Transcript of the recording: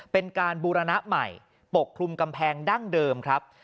เป็นการบูรณะใหม่ปกคลุมกำแพงดั้งเดิมครับ